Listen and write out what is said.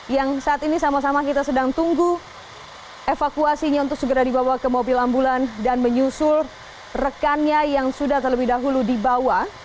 yang saat ini sama sama kita sedang tunggu evakuasinya untuk segera dibawa ke mobil ambulan dan menyusul rekannya yang sudah terlebih dahulu dibawa